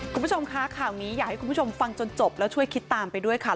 คุณผู้ชมคะข่าวนี้อยากให้คุณผู้ชมฟังจนจบแล้วช่วยคิดตามไปด้วยค่ะ